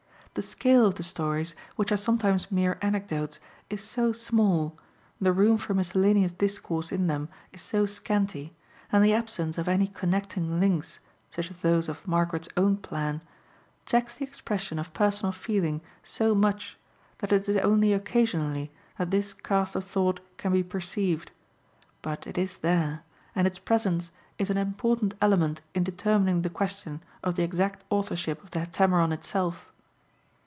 The scale of the stories, which are sometimes mere anecdotes, is so small, the room for miscellaneous discourse in them is so scanty, and the absence of any connecting links, such as those of Margaret's own plan, checks the expression of personal feeling so much, that it is only occasionally that this cast of thought can be perceived. But it is there, and its presence is an important element in determining the question of the exact authorship of the Heptameron itself.